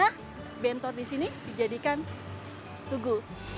nah bentor disini dijadikan tugu